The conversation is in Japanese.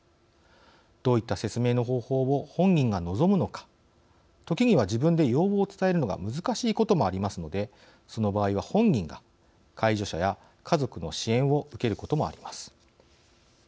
どういった説明の方法を本人が望むのか時には自分で要望を伝えるのが難しいこともありますのでその場合は本人が介助者や家族の支援を受けることもあります。